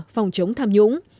phòng chống tham nhũng